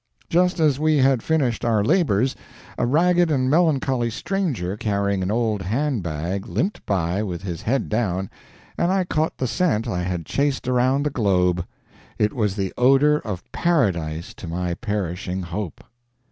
Just as we had finished our labors a ragged and melancholy stranger, carrying an old hand bag, limped by with his head down, and I caught the scent I had chased around the globe! It was the odor of Paradise to my perishing hope!